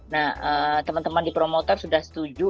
nah teman teman di promotor sudah setuju